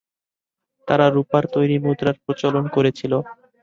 তারা রূপার তৈরি মুদ্রার প্রচলন করেছিল।